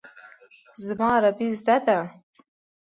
زما عربي زده ده.